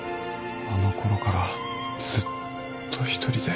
あのころからずっと一人で